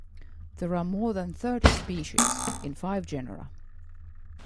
There are more than thirty species in five genera.